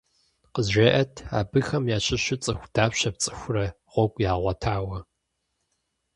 КъызжеӀэт: абыхэм ящыщу цӏыху дапщэ пцӀыхурэ гъуэгу ягъуэтауэ?